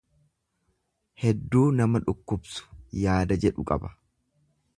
Hedduu nama dhukkubsu yaada jedhu qaba.